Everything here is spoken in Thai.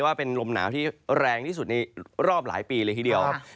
ว่าเป็นลมหนาวที่แรงที่สุดในรอบหลายปีเลยทีเดียว